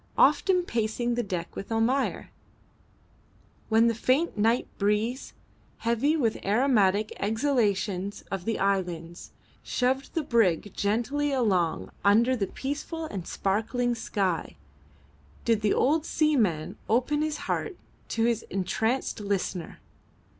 Often pacing the deck with Almayer, when the faint night breeze, heavy with aromatic exhalations of the islands, shoved the brig gently along under the peaceful and sparkling sky, did the old seaman open his heart to his entranced listener.